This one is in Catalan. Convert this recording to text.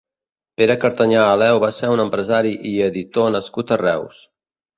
Pere Cartanyà Aleu va ser un empresari i editor nascut a Reus.